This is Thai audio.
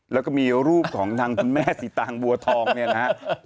แล้วก็มีรูปของทางคุณแม่สีตางบัวทองเนี่ยนะครับ